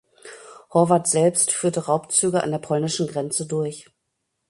Horvat selbst führte Raubzüge an der polnischen Grenze durch.